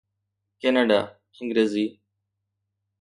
Canada Angrezi